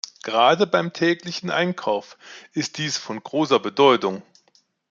Gerade beim täglichen Einkauf ist dies von großer Bedeutung.